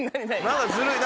何かずるい。